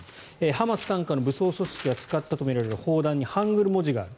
ハマス傘下の武装組織が使ったとみられる砲弾にハングル文字がある。